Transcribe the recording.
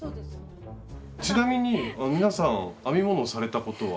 ちなみに皆さん編み物をされたことは？